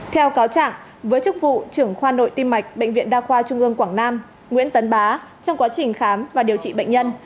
theo cáo trạng với chức vụ trưởng khoa nội tim mạch bệnh viện đa khoa trung ương quảng nam nguyễn tấn bá trong quá trình khám và điều trị bệnh nhân